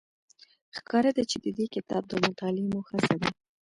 ښکاره ده چې د دې کتاب د مطالعې موخه څه ده